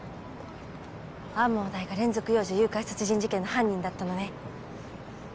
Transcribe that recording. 天羽大が連続幼女誘拐殺人事件の犯人だったのね。